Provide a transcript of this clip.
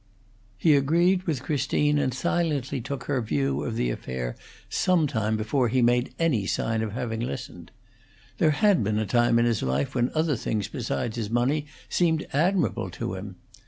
He agreed with Christine, and silently took her view of the affair some time before he made any sign of having listened. There had been a time in his life when other things besides his money seemed admirable to him.